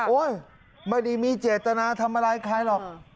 โอ้ยไม่ได้มีเจตนาทำมาร้ายใครหรอก